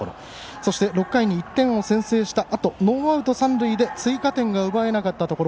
そして６回に１点を先制したあとノーアウト、三塁で追加点が奪えなかったところ。